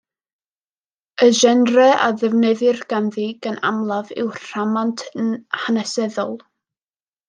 Y genre a ddefnyddir ganddi gan amlaf yw'r rhamant hanesyddol.